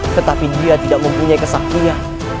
tetapi dia tidak mempunyai kesakitnya